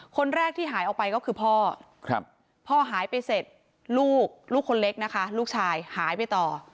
คนแรกที่หายออกไปก็คือพ่อพ่อหายไปเสร็จลูกลูกคนเล็กนะคะลูกชายหายไปต่อ